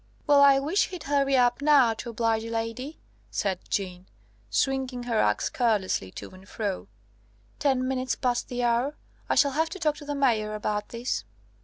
"Well, I wish he'd hurry up now, to oblige a lady," said Jeanne, swinging her axe carelessly to and fro: "ten minutes past the hour; I shall have to talk to the Mayor about this."